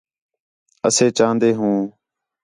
اَسے چاہن٘دے ہوں